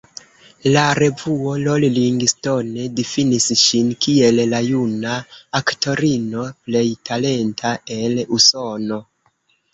La revuo Rolling Stone difinis ŝin kiel “la juna aktorino plej talenta el Usono”.